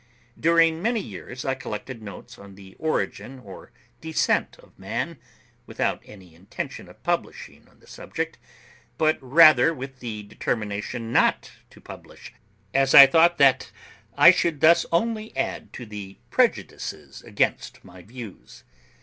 During many years I collected notes on the origin or descent of man, without any intention of publishing on the subject, but rather with the determination not to publish, as I thought that I should thus only add to the prejudices against my views.